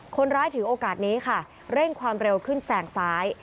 คนร้ายถือโอกาสนี้ค่ะเร่งความเร็วขึ้นแสงซ้าย